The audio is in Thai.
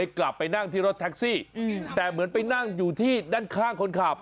กลับไปนั่งที่รถแท็กซี่แต่เหมือนไปนั่งอยู่ที่ด้านข้างคนขับ